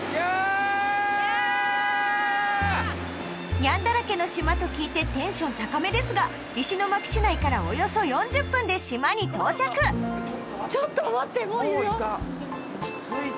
ニャンだらけの島と聞いてテンション高めですが石巻市内からおよそ４０分で島に到着もういた。